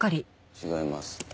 違います。